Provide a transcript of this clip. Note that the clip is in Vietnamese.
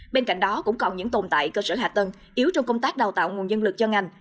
bên cạnh đó cũng còn những tồn tại cơ sở hạ tân yếu trong công tác đào tạo nguồn dân lực cho ngành